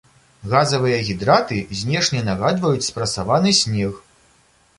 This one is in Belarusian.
Газавыя гідраты знешне нагадваюць спрасаваны снег.